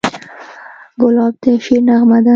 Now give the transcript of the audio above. ګلاب د شعر نغمه ده.